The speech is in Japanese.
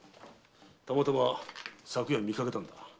たまたま昨夜見かけたんだ。